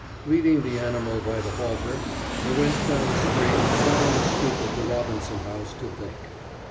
Leading the animal by the halter, I went down the street and sat on the stoop of the Robinson House to think.